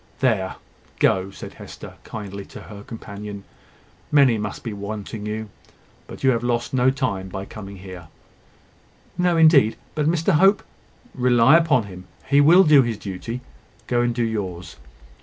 "There, go," said Hester, kindly, to her companion. "Many must be wanting you: but you have lost no time by coming here." "No, indeed. But Mr Hope " "Rely upon him. He will do his duty. Go and do yours."